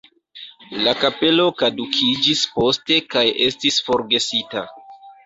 La kapelo kadukiĝis poste kaj estis forgesita.